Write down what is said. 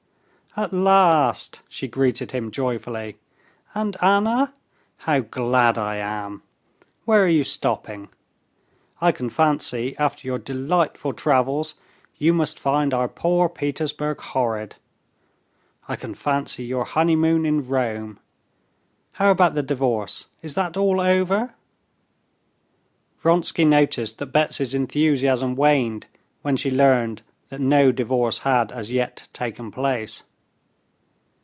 "At last!" she greeted him joyfully. "And Anna? How glad I am! Where are you stopping? I can fancy after your delightful travels you must find our poor Petersburg horrid. I can fancy your honeymoon in Rome. How about the divorce? Is that all over?" Vronsky noticed that Betsy's enthusiasm waned when she learned that no divorce had as yet taken place.